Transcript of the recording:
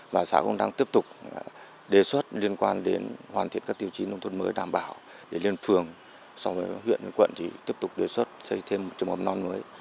và xã cũng đang tiếp tục đề xuất liên quan đến hoàn thiện các tiêu chí nông thôn mới đảm bảo để lên phường so với huyện quận thì tiếp tục đề xuất xây thêm một trường mầm non mới